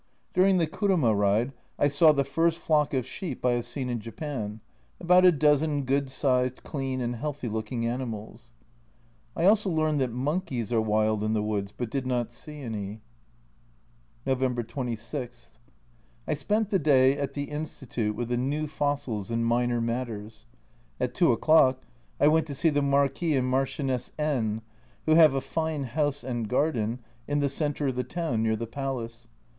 During the kuruma ride I saw the first flock of sheep I have seen in Japan, about a dozen good sized, clean, and healthy looking animals. I also learned that monkeys are wild in the woods, but did not see any. November 26. I spent the day at the Institute with the new fossils and minor matters. At two o'clock I went to see the Marquis and Marchioness N , who have a fine house and garden in the centre of the town near the palace.